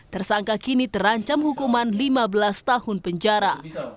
tersangka kini terancam hukuman lima belas tahun penjara